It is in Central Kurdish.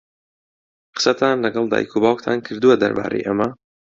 قسەتان لەگەڵ دایک و باوکتان کردووە دەربارەی ئەمە؟